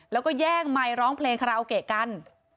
แล้วก็แย่งไมค์ร้องเพลงคาราโอเกะกัน